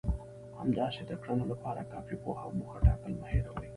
همداسې د کړنو لپاره کافي پوهه او موخه ټاکل مه هېروئ.